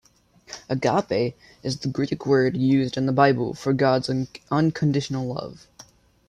"Agape" is the Greek word used in the Bible for God's unconditional love.